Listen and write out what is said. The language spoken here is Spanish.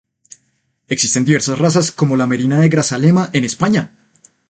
Existen diversas razas, como la merina de Grazalema en España.